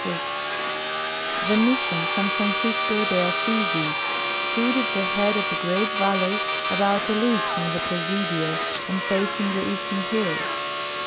VI The Mission San Francisco de Assisi stood at the head of a great valley about a league from the Presidio and facing the eastern hills.